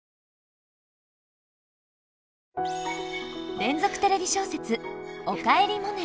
連続テレビ小説「おかえりモネ」。